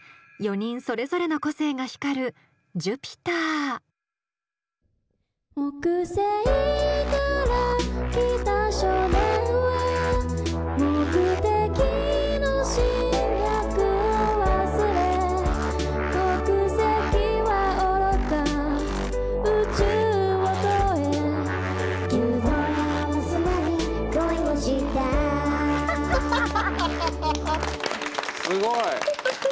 ４人それぞれの個性が光るすごい！